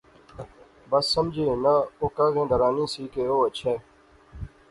بس سمجھی ہنا او کاغیں ڈرانی سی کہ او اچھے